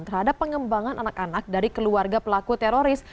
terhadap pengembangan anak anak dari keluarga pelaku teroris